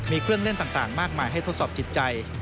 มีเครื่องเล่นต่างมากมายให้ทดสอบจิตใจ